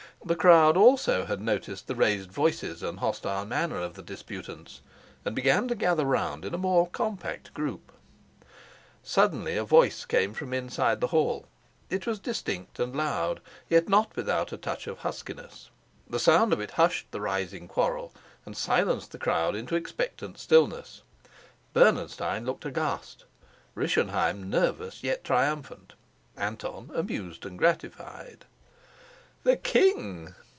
The crowd also had noticed the raised voices and hostile manner of the disputants, and began to gather round in a more compact group. Suddenly a voice came from inside the hall: it was distinct and loud, yet not without a touch of huskiness. The sound of it hushed the rising quarrel and silenced the crowd into expectant stillness. Bernenstein looked aghast, Rischenheim nervous yet triumphant, Anton amused and gratified. "The king!"